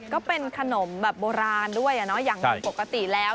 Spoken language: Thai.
ก็เป็นขนมแบบโบราณด้วยอย่างปกติแล้ว